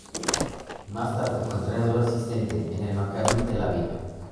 Más tarde fue entrenador asistente en el Maccabi Tel Aviv.